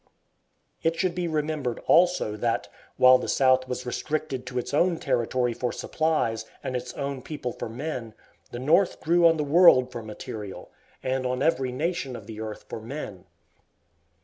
It should be remembered also that, while the South was restricted to its own territory for supplies, and its own people for men, the North drew on the world for material, and on every nation of the earth for men.